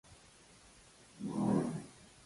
Per què vol que els comuns els donin suport?